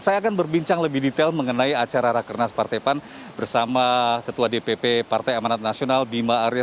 saya akan berbincang lebih detail mengenai acara rakernas partai pan bersama ketua dpp partai amanat nasional bima arya